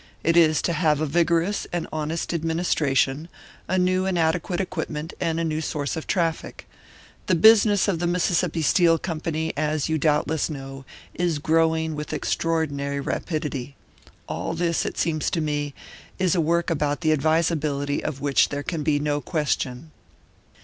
It is to have a vigorous and honest administration, a new and adequate equipment, and a new source of traffic. The business of the Mississippi Steel Company, as you doubtless know, is growing with extraordinary rapidity. All this, it seems to me, is a work about the advisability of which there can be no question."